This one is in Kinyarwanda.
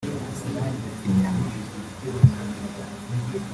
inyama